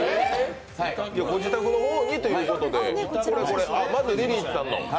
ご自宅の方にということでまずリリーさんの。